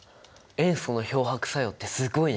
塩素の漂白作用ってすごいね。